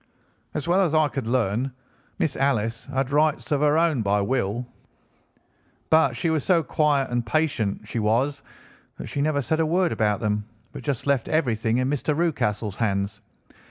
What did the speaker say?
As well as I could learn, Miss Alice had rights of her own by will, but she was so quiet and patient, she was, that she never said a word about them but just left everything in Mr. Rucastle's hands.